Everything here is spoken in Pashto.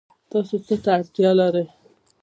تاسو څه ته اړتیا لرئ؟